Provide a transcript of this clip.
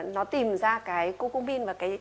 nó tìm ra cái cu cu min và cái